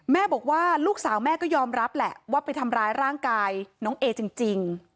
แม่บอกว่าลูกสาวแม่ก็ยอมรับแหละว่าไปทำร้ายร่างกายน้องเอจริง